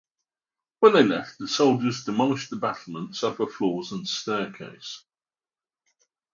When they left, the soldiers demolished the battlements, upper floors and staircase.